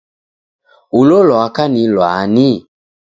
Ulo lwaka ni lwani?